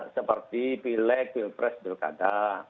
seperti pilek pilpres bilkada